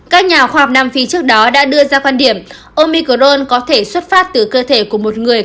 các nhà khoa học nam phi trước đó đã đưa ra quan điểm omicrone có thể xuất phát từ cơ thể của một người